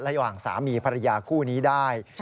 ระหว่างสามีภรรยาคู่นี้ได้